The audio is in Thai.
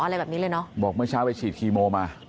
บอกว่าเมื่อเช้าไปฉีดคีโมมา